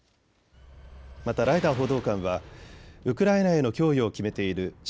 またライダー報道官はウクライナへの供与を決めている地